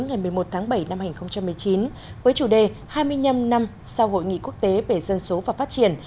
ngày một mươi một tháng bảy năm hai nghìn một mươi chín với chủ đề hai mươi năm năm sau hội nghị quốc tế về dân số và phát triển